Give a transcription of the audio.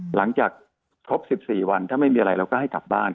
หลังจากครบ๑๔วันถ้าไม่มีอะไรเราก็ให้กลับบ้าน